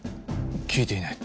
聞いていない。